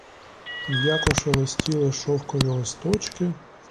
М'яко шелестіли шовкові листочки.